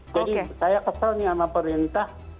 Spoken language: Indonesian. jadi saya kesal sama perintah